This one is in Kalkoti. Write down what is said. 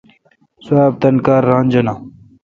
سواب تان کار ران جانہ۔